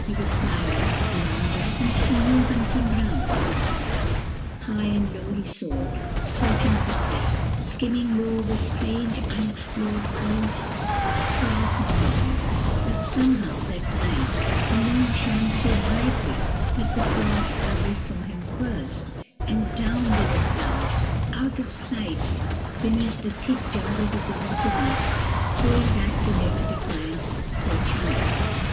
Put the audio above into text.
He would fly off a long distance to new hunting grounds. High and low he soared, searching for prey, skimming low over strange, unexplored pools far from home; but somehow that night the moon shone so brightly that the frogs always saw him first, and down they would plunge, out of sight beneath the thick jungles of the water weeds, throwing back to him a defiant "kerchung."